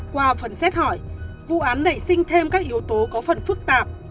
qua phần xét hỏi vụ án nảy sinh thêm các yếu tố có phần phức tạp